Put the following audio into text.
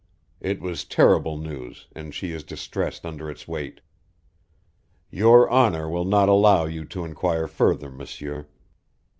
It was terrible news, and she is distressed under its weight. Your honor will not allow you to inquire further, M'sieur.